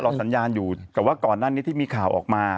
สัญญาณอยู่กับว่าก่อนหน้านี้ที่มีข่าวออกมา